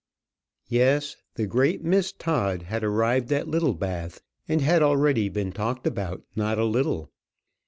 Yes. The great Miss Todd had arrived at Littlebath, and had already been talked about not a little.